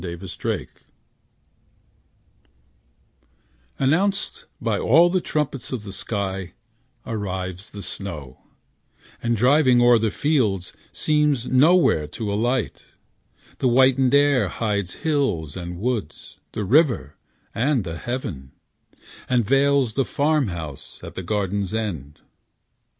THE SNOW STORM Announced by all the trumpets of the sky, Arrives the snow, and, driving o'er the fields, Seems nowhere to alight: the whited air Hides hills and woods, the river, and the heaven, And veils the farm house at the garden's end.